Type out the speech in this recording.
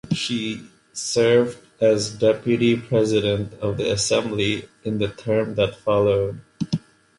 She served as deputy president of the assembly in the term that followed.